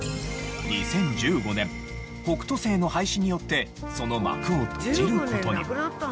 ２０１５年北斗星の廃止によってその幕を閉じる事に。